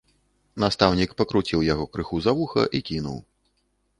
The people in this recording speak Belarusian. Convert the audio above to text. Настаўнік пакруціў яго крыху за вуха і кінуў.